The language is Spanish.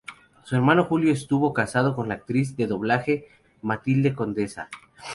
Su hermano Julio estuvo casado con la actriz de doblaje Matilde Conesa.